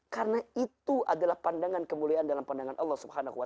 karena itu adalah pandangan kemuliaan dalam pandangan allah